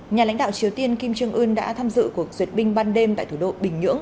nhà lãnh đạo triều tiên kim trương ưn đã tham dự cuộc duyệt binh ban đêm tại thủ đô bình nhưỡng